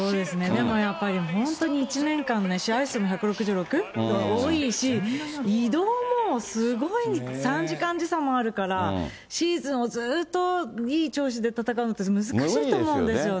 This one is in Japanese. でもやっぱり、本当に１年間ね、試合数も１６６と多いし、移動もすごい、３時間時差もあるから、シーズンをずっといい調子で戦うのって難しいと思うんですよね。